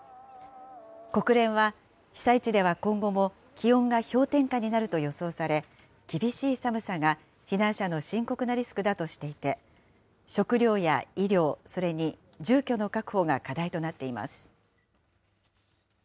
国連は被災地では今後も気温が氷点下になると予想され、厳しい寒さが避難者の深刻なリスクだとしていて、食料や医療、それに住居の確保が課題となっています。